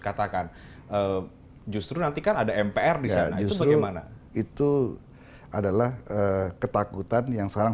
katakan justru nantikan ada mpr bisa justru bagaimana itu adalah ketakutan yang sekarang